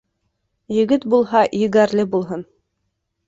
Егет булһа, егәрле булһын.